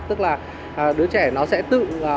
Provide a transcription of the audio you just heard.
tức là đứa trẻ nó sẽ tự